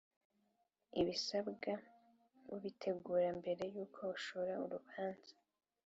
Ibisabwa ubitegura mbere y’uko ushora urubanza